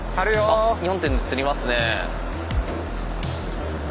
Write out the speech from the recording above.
あっ４点で吊りますね。